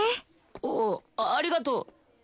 ああありがとう。